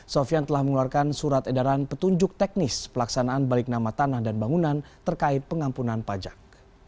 sofian telah mengeluarkan surat edaran petunjuk teknis pelaksanaan balik nama tanah dan bangunan terkait pengampunan pajak